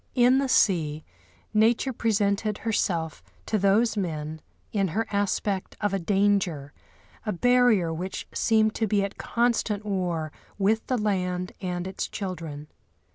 In the sea, nature presented herself to those men in her aspect of a danger, a barrier which seemed to be at constant war with the land and its children.